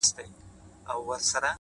• تنورونه له اسمانه را اوریږي ,